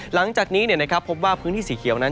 หลังจากนี้พบว่าพื้นที่สีเขียวนั้น